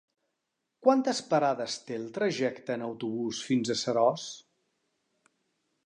Quantes parades té el trajecte en autobús fins a Seròs?